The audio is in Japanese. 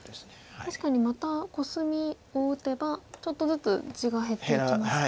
確かにまたコスミを打てばちょっとずつ地が減っていきますか。